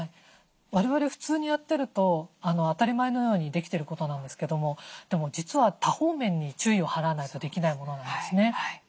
我々普通にやってると当たり前のようにできてることなんですけどもでも実は多方面に注意を払わないとできないものなんですね。